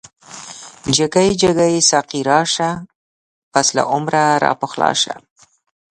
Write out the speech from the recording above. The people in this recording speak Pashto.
جګی جګی ساقی راشه، پس له عمره راپخلا شه